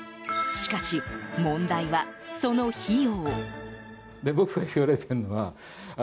しかし、問題はその費用。